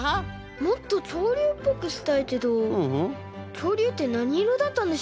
もっときょうりゅうっぽくしたいけどきょうりゅうってなにいろだったんでしょう？